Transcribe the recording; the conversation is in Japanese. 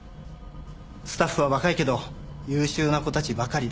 スタッフは若いけど優秀な子たちばかりだ。